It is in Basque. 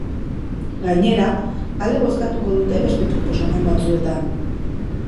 Gainera, alde bozkatuko dute beste proposamen batzuetan.